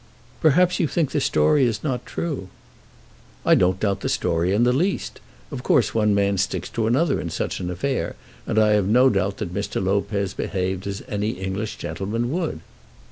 "Perhaps you think the story is not true." "I don't doubt the story in the least. Of course one man sticks to another in such an affair, and I have no doubt that Mr. Lopez behaved as any English gentleman would."